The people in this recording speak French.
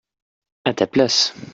à ta place.